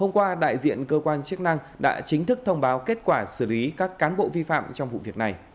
hôm qua đại diện cơ quan chức năng đã chính thức thông báo kết quả xử lý các cán bộ vi phạm trong vụ việc này